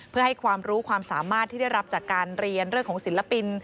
เพื่อให้ความรู้ความสามารถที่ได้รับจากการเรียนเรื่องของศิลปิน